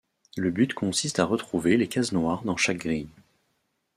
Le but consiste à retrouver les cases noires dans chaque grille.